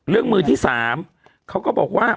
มือที่๓เขาก็บอกว่า